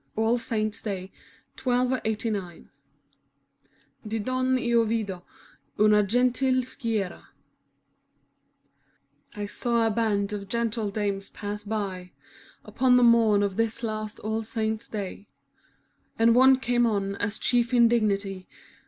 ALL saints' day, 1 2 89 Di donne io vidi una gentile schiera I SAW a band of gentle dames pass by, Upon the morn of this last All Saints' Day, And one came on, as chief in dignity.